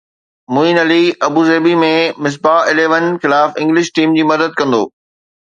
معين Ali Abu Dhabi ۾ Misbah اليون خلاف English team جي مدد ڪندو